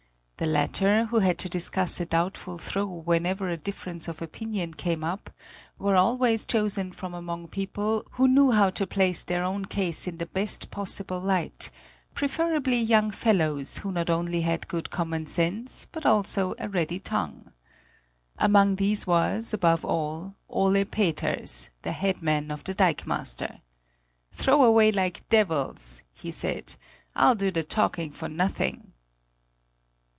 The latter, who had to discuss a doubtful throw whenever a difference of opinion came up, were always chosen from among people who knew how to place their own case in the best possible light, preferably young fellows who not only had good common sense but also a ready tongue. Among these was, above all, Ole Peters, the head man of the dikemaster. "Throw away like devils!" he said; "I'll do the talking for nothing!"